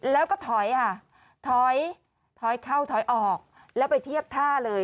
แล้วก็ถอยค่ะถอยถอยเข้าถอยออกแล้วไปเทียบท่าเลย